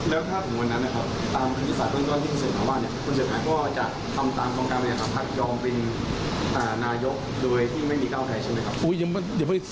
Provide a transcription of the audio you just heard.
แล้วถ้าบางวันนั้นประกันศาสตร์ต้นที่คุณเศรษฐาว่ามันจะทำตามกรรมการประกาศยอมเป็นนายกเลยที่ไม่มีเก้าแทนใช่ไหมครับ